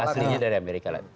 aslinya dari amerika